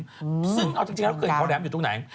ซึ่งเอาจริงเกลือนเขาแหลมอยู่ตรงไหน